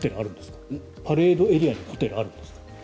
パレードエリアにホテルはあるんですか？